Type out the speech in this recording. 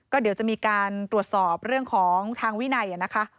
ก็เดี๋ยวจะมีการตรวจสอบเรื่องของทางวินัยนะคะ